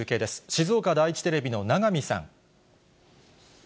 静岡第一テレビの永見さん。